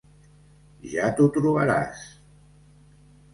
Ja t'ho trobaràs...